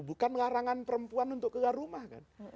bukan larangan perempuan untuk keluar rumah kan